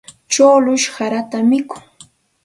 Chukllush sarata mikun.